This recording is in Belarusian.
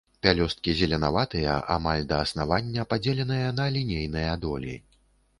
Пялёсткі зеленаватыя, амаль да аснавання падзеленыя на лінейныя долі.